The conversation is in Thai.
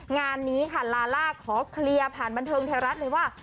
งานนี้ค่ะลาล่าขอเคลียร์ผ่านบันเทิงไทยรัฐเลยว่า